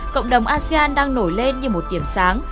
cộng đồng asean đang nổi lên như một điểm sáng